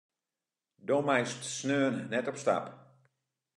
Do meist sneon net op stap.